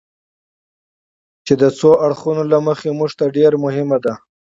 چې د څو اړخونو له مخې موږ ته ډېره مهمه ده.